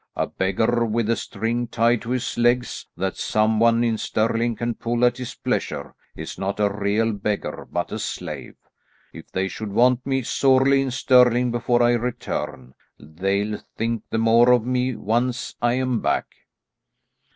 A beggar with a string tied to his legs that some one in Stirling can pull at his pleasure, is not a real beggar, but a slave. If they should want me sorely in Stirling before I return, they'll think the more of me once I am back."